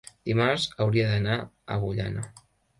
dimarts hauria d'anar a Agullana.